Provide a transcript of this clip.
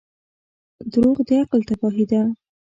• دروغ د عقل تباهي ده.